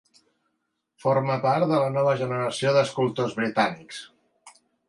Formà part de la nova generació d'escultors britànics.